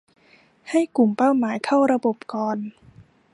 ให้กลุ่มเป้าหมายเข้าระบบก่อน